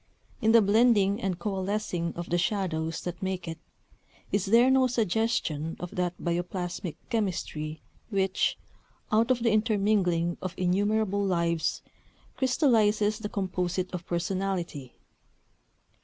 In the blending and coalescing of the shadows that make it, is there no suggestion of that bioplasmic chemistry which, out of the intermingling of innumerable lives, crystallizes the composite of personality?